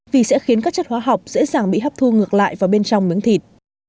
vì sẽ khiến các chất hóa học dễ dàng bị hấp thu ngược lại vào bên trong miếng thịt